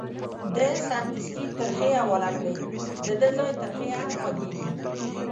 ده سمدستي ترخې حواله کړې، ددغه ځای ترخې هم خوږې دي.